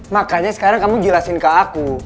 makanya sekarang kamu jelasin ke aku